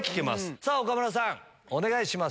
さあ、岡村さん、お願いします。